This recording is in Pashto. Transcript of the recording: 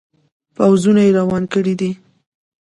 پوځونه روان کړي دي.